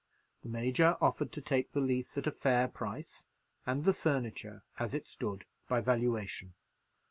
The Major offered to take the lease at a fair price, and the furniture, as it stood, by valuation.